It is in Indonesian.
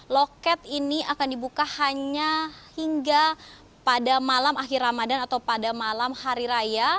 loket ini akan dibuka hanya hingga pada malam akhir ramadan atau pada malam hari raya